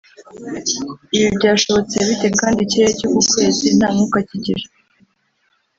Ibi byashobotse bite kandi ikirere cyo ku kwezi nta mwuka kigira